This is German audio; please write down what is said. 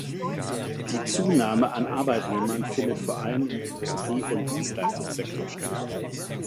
Die Zunahme an Arbeitnehmern findet vor allem im Industrie- und Dienstleistungssektor statt.